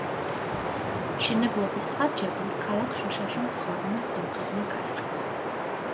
მშენებლობის ხარჯები ქალაქ შუშაში მცხოვრებმა სომხებმა გაიღეს.